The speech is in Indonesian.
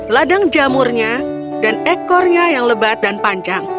ladang jamurnya dan ekornya yang lebat dan panjang